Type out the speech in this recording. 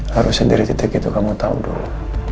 harus sendiri titik itu kamu tahu dulu